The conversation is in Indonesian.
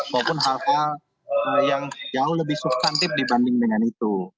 maupun hal hal yang jauh lebih substantif dibanding dengan itu